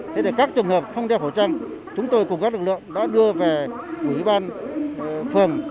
thế thì các trường hợp không đeo khẩu trang chúng tôi cùng các lực lượng đã đưa về quỹ ban phường